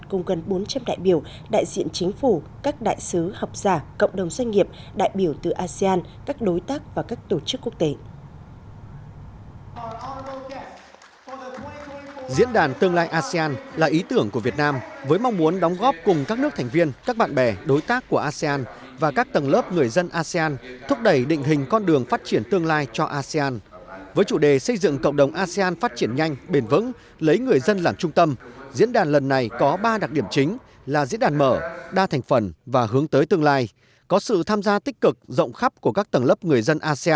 cùng gần bốn trăm linh đại biểu đại diện chính phủ các đại sứ học giả cộng đồng doanh nghiệp đại biểu từ asean các đối tác và các tổ chức quốc tế